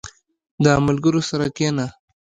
• د ملګرو سره کښېنه.